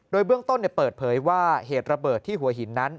โดยเบื้องต้นเปิดเผยว่าเหตุระเบิดที่หัวหินนั้น